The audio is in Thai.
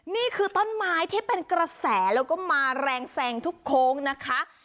นี่คือต้นไม้ที่เป็นกระแสแล้วก็มาแรงแซงทุกโค้งนะคะ